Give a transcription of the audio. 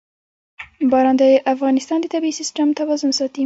باران د افغانستان د طبعي سیسټم توازن ساتي.